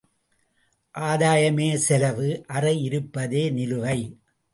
ஆதாயமே செலவு அறை இருப்பதே நிலுவை.